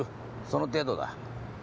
その程度だ。